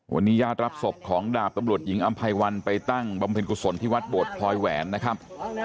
วันนี้ญาติรับศพของดาบตำรวจหญิงอำไพวันไปตั้งบำเพ็ญกุศลที่วัดโบดพลอยแหวนนะครับ